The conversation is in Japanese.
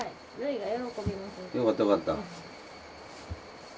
よかったよかった。